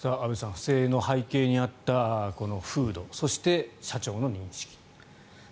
不正の背景にあった風土そして社長の認識。